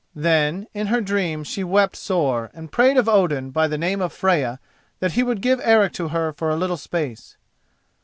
Then, in her dream, she wept sore, and prayed of Odin by the name of Freya that he would give Eric to her for a little space.